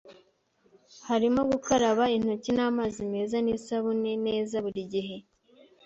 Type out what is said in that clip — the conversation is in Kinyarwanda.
harimo gukaraba intoki n’amazi meza n’isabune neza buri gihe